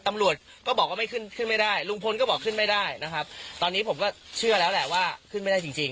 ตำรวจก็บอกว่าไม่ขึ้นขึ้นไม่ได้ลุงพลก็บอกขึ้นไม่ได้นะครับตอนนี้ผมก็เชื่อแล้วแหละว่าขึ้นไม่ได้จริงจริง